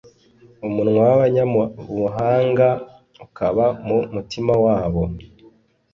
umunwa w’abanyabuhanga ukaba mu mutima wabo.